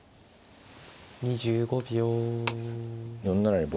２５秒。